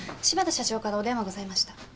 柴田社長からお電話ございました。